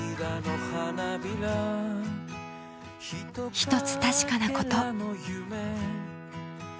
一つ確かなこと。